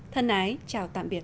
thân ái chào tạm biệt